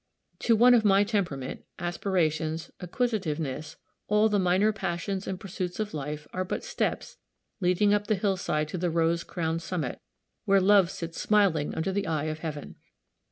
To one of my temperament, aspirations, acquisitiveness, all the minor passions and pursuits of life are but steps leading up the hillside to the rose crowned summit, where love sits smiling under the eye of heaven.